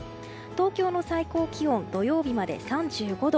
東京の最高気温土曜日まで３５度。